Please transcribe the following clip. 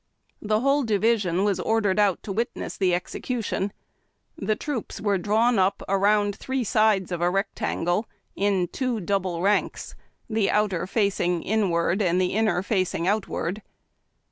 The whole division was ordered out to witness the execu tion. The troops were drawn up around three sides of a rectangle in two double ranks, the outer facing inward and the inner facing outward.